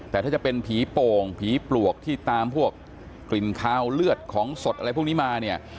แต่ถ้าจะเป็นผีโป่งผีปลวกที่ตามพวกกลิ่นคาวเลือดของสดอะไรพวกนี้มาเนี่ย